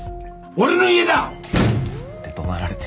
俺の家だ！って怒鳴られて。